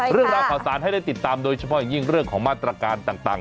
เรื่องราวข่าวสารให้ได้ติดตามโดยเฉพาะอย่างยิ่งเรื่องของมาตรการต่าง